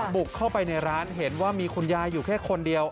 บุกเข้าไปในร้านเห็นว่ามีคุณยายอยู่แค่คนเดียว